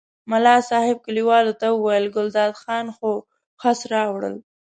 ملا صاحب کلیوالو ته وویل ګلداد خان خو خس راوړل.